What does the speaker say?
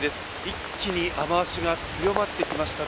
一気に雨足が強まってきました。